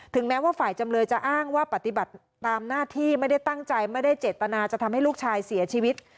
แม้ว่าฝ่ายจำเลยจะอ้างว่าปฏิบัติตามหน้าที่ไม่ได้ตั้งใจไม่ได้เจตนาจะทำให้ลูกชายเสียชีวิต